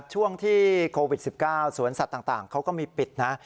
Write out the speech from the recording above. ช่วงที่โควิด๑๙สวนสัตว์ต่างเขาก็มีปิดนะ